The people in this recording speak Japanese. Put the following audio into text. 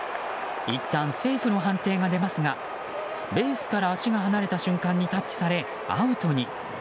いったんセーフの判定が出ますがベースから足が離れた瞬間にタッチされアウトに。